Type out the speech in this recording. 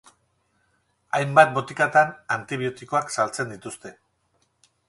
Hainbat botikatan antibiotikoak saltzen dituzte.